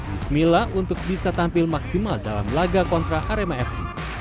bismilla untuk bisa tampil maksimal dalam laga kontra arema fc